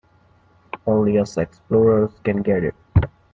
Only us explorers can get it.